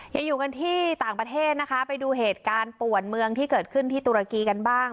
ยังอยู่กันที่ต่างประเทศนะคะไปดูเหตุการณ์ป่วนเมืองที่เกิดขึ้นที่ตุรกีกันบ้าง